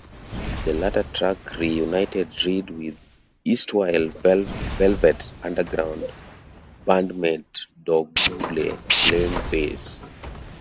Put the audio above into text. The latter track reunited Reed with erstwhile Velvet Underground bandmate Doug Yule, playing bass.